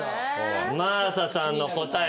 真麻さんの答え